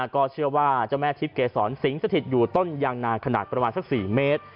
ก็เชื่อว่าเจ้าแม่ทิพย์เกษรสิงสถิตอยู่ต้นยางนาขนาดประมาณสัก๔เมตร